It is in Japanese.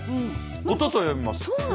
「おと」と読みます。